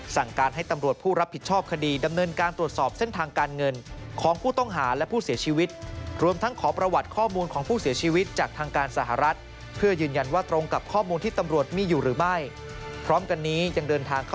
สารพิจารณาแล้วเห็นว่ามีเอกสารแล้วเห็นว่ามีเอกสาร